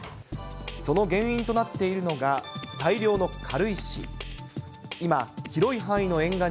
その原因となっているのが、大量の軽石。